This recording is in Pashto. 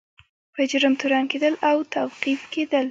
په جرم تورن کیدل او توقیف کیدل.